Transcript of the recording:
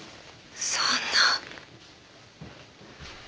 そんな。